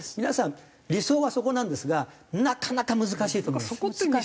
皆さん理想はそこなんですがなかなか難しいと思います。